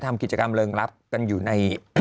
ทำกิจกรรมเริงลับกันอยู่ใน